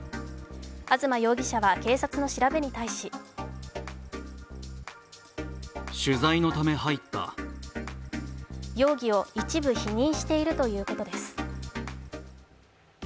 東容疑者は警察の調べに対し容疑を一部否認しているということです。